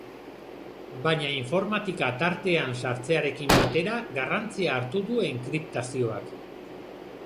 Baina informatika tartean sartzearekin batera garrantzia hartu du enkriptazioak.